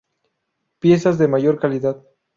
Piezas de mayor calidad.